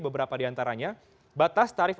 beberapa diantaranya batas tarif